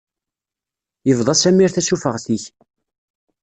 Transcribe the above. Yebḍa Samir tasufeɣt-ik.